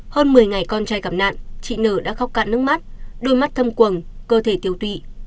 hơn một mươi ngày con trai cặp nạn chị n đã khóc cạn nước mắt đôi mắt thâm quầng cơ thể tiếu tụy